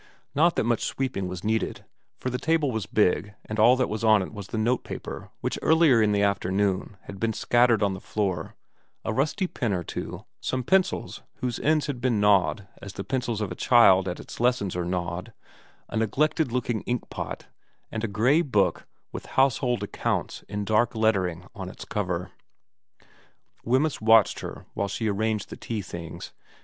Not that much sweeping was needed, for the table was big and all that was on it was the notepaper which earlier in the afternoon had been scattered on the floor, a rusty pen or two, some pencils whose ends had been gnawed as the pencils of a child at its lessons are gnawed, a neglected looking inkpot, and a grey book with Household Accounts in dark lettering on its cover. 260 xxiv VERA 261 Wemyss watched her while she arranged the tea things.